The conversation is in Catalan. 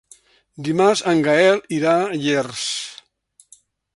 Dimarts en Gaël irà a Llers.